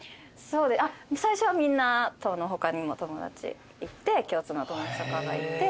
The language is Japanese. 最初はみんな他にも友達いて共通の友達とかがいて。